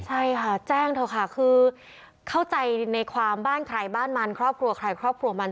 ใช่ค่ะแจ้งเถอะค่ะคือเข้าใจในความบ้านใครบ้านมันครอบครัวใครครอบครัวมัน